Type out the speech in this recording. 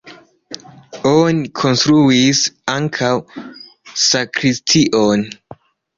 Oni konstruis ankaŭ sakristion.